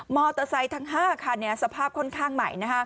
มอเตอร์ไซต์ทั้ง๕ค่ะสภาพค่อนข้างใหม่